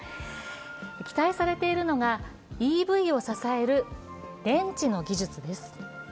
期待されているのがＥＶを支える電池の技術です